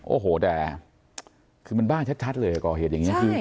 โอ้โหแต่คือมันบ้าชัดเลยก่อเหตุอย่างนี้คือ